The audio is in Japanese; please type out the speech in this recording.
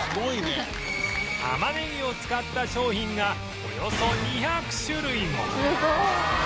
たまねぎを使った商品がおよそ２００種類も！